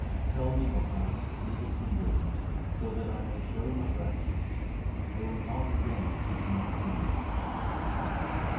Tell me what thou succeedest in doing, so that I may show my gratitude. There will not again be such an op portunity.'